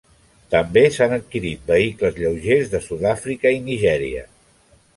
També s'han adquirit vehicles lleugers de Sud-àfrica i Nigèria.